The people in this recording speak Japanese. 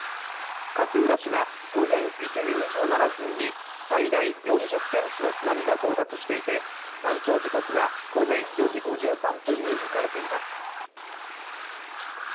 勝浦市は午前１時２７分に最大４０センチの津波が到達していて、満潮時刻は午前４時５３分に迎えています。